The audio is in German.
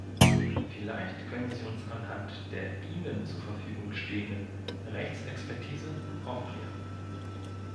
Vielleicht können Sie uns anhand der Ihnen zur Verfügung stehenden Rechtsexpertise aufklären.